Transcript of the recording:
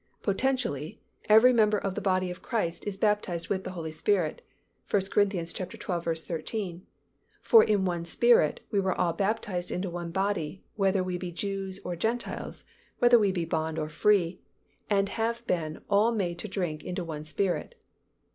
Potentially, every member of the body of Christ is baptized with the Holy Spirit (1 Cor. xii. 13), "For in one Spirit, we were all baptized into one body, whether we be Jews or Gentiles, whether we be bond or free; and have been all made to drink into one Spirit."